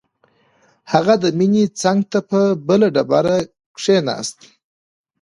هغه د مينې څنګ ته په بله ډبره کښېناست.